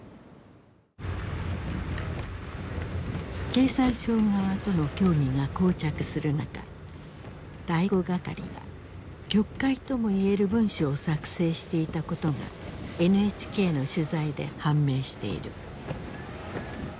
経産省側との協議が膠着する中第五係が曲解ともいえる文書を作成していたことがＮＨＫの取材で判明している。